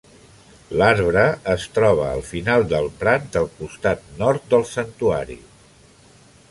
L'arbre es troba al final del prat del costat nord del santuari.